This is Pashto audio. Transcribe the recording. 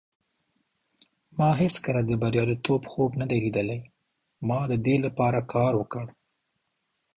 ما هیڅکله د بریالیتوب خوب نه دی لیدلی. ما د دې لپاره کار وکړ.